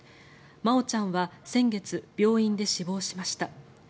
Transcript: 真愛ちゃんは先月、病院で死亡しました。